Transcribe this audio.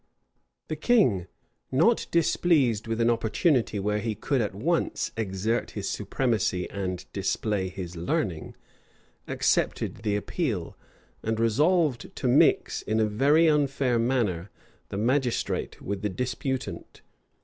The king, not displeased with an opportunity where he could at once exert his supremacy and display his learning, accepted the appeal; and resolved to mix, in a very unfair manner, the magistrate with the disputant.